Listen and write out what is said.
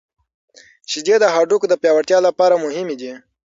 شیدې د هډوکو د پیاوړتیا لپاره مهمې دي.